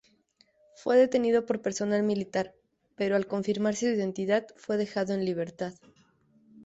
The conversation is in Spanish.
Fue detenido por personal militar, pero al confirmarse su identidad fue dejado en libertad.